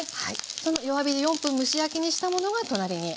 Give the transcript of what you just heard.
その弱火で４分蒸し焼きにしたものが隣にあります。